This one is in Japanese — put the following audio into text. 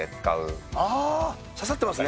ささってますね。